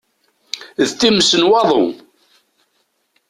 D times n waḍu!